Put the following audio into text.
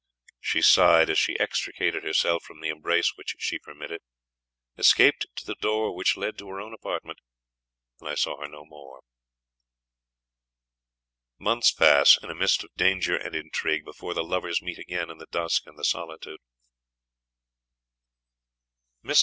She sighed as she extricated herself from the embrace which she permitted, escaped to the door which led to her own apartment, and I saw her no more. Months pass, in a mist of danger and intrigue, before the lovers meet again in the dusk and the solitude.